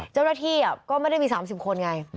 เจ้าหน้าที่ก็ไม่ได้มี๓๐คนไง